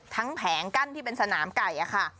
แผงกั้นที่เป็นสนามไก่ค่ะ